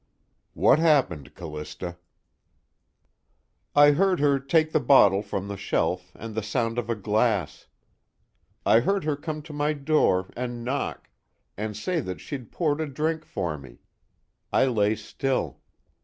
"What happened, Callista?" "I heard her take the bottle from the shelf, and the sound of a glass. I heard her come to my door, and knock, and say that she'd poured a drink for me. I lay still.